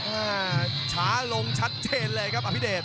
อ่าช้าลงชัดเจนเลยครับอภิเดช